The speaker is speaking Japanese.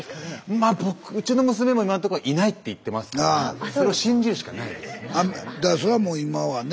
まっ僕うちの娘も今んとこいないって言ってますからそれを信じるしかないですね。